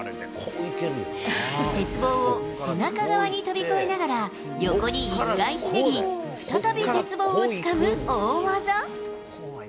鉄棒を背中側に飛び越えながら、横に１回ひねり、再び鉄棒をつかむ大技。